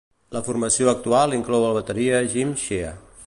La formació actual inclou el bateria Jim Shea.